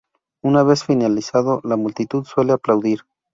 Una vez finalizado la multitud suele aplaudir.